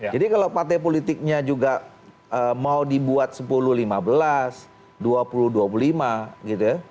jadi kalau partai politiknya juga mau dibuat sepuluh lima belas dua puluh dua puluh lima gitu ya